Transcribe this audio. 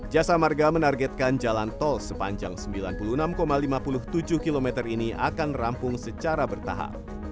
jasa marga menargetkan jalan tol sepanjang sembilan puluh enam lima puluh tujuh km ini akan rampung secara bertahap